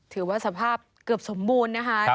ถือว่าสภาพเกือบสมบูรณ์นะคะ